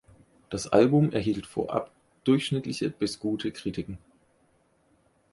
Das Album erhielt vorab durchschnittliche bis gute Kritiken.